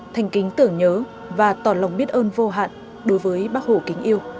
thành kính tưởng nhớ và tỏ lòng biết ơn vô hạn đối với bác hồ kính yêu